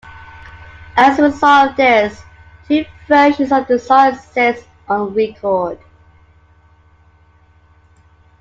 As a result of this, two versions of the song exist on record.